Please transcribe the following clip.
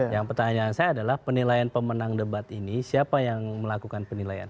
yang pertanyaan saya adalah penilaian pemenang debat ini siapa yang melakukan penilaian